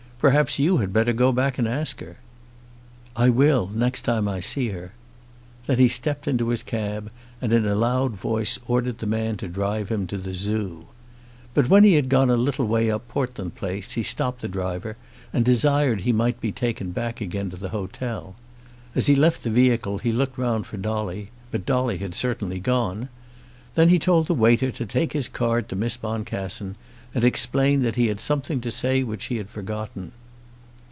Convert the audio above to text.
Perhaps you had better go back and ask her." "I will, next time I see her." Then he stepped into his cab, and in a loud voice ordered the man to drive him to the Zoo. But when he had gone a little way up Portland Place, he stopped the driver and desired he might be taken back again to the hotel. As he left the vehicle he looked round for Dolly, but Dolly had certainly gone. Then he told the waiter to take his card to Miss Boncassen, and explain that he had something to say which he had forgotten.